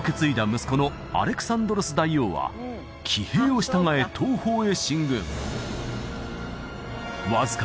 息子のアレクサンドロス大王は騎兵を従え東方へ進軍わずか